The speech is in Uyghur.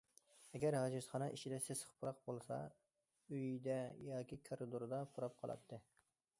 ئەگەر ھاجەتخانا ئىچىدە سېسىق پۇراق بولسا، ئۆيدە ياكى كارىدوردا پۇراپ قالاتتى.